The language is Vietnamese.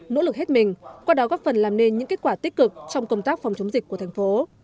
nỗ lực hết mình qua đó góp phần làm nên những kết quả tích cực trong công tác phòng chống dịch của thành phố